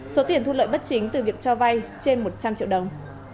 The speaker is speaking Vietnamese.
số tiền thu lợi bất chính từ việc cho vay trên một trăm linh triệu đồng